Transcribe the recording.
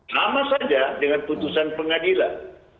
sama saja dengan putusan pengadilan